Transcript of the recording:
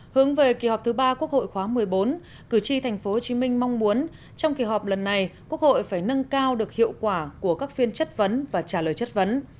hướng về kỳ họp thứ ba quốc hội khóa một mươi bốn cử tri tp hcm mong muốn trong kỳ họp lần này quốc hội phải nâng cao được hiệu quả của các phiên chất vấn và trả lời chất vấn